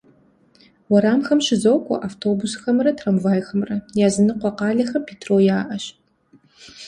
Уэрамхэм щызокӏуэ автобусхэмрэ трамвайхэмрэ, языныкъуэ къалэхэм метро яӏэщ.